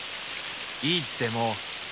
いいってもう。